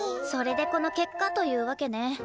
それでこの結果というわけね。